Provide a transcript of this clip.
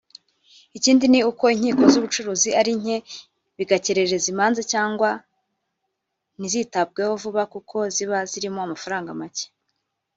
Ikindi ni uko inkiko z’ubucuruzi ari nke bigakerereza imanza cyangwa ntizitabweho vuba kuko ziba zirimo amafaranga make